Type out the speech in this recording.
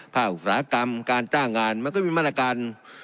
อุตสาหกรรมการจ้างงานมันก็มีมาตรการ